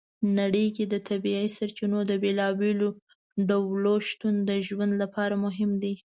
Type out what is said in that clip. نړۍ کې د طبیعي سرچینو د بېلابېلو ډولو شتون د ژوند لپاره مهم دی.